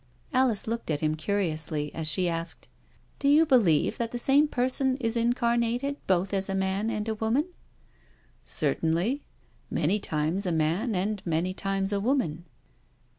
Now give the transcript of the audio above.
Alice looked at him curiously as she asked :" Do you believe that the same person is incarnated both as a man and a woman?'* " Certainly— many times a man and many times a woman."